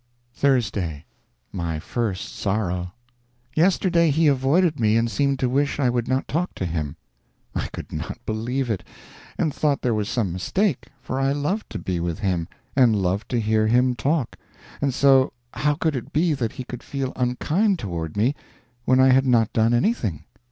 THURSDAY. my first sorrow. Yesterday he avoided me and seemed to wish I would not talk to him. I could not believe it, and thought there was some mistake, for I loved to be with him, and loved to hear him talk, and so how could it be that he could feel unkind toward me when I had not done anything?